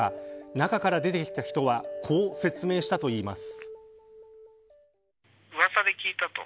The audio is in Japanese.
中から出てきた人はこう説明したといいます。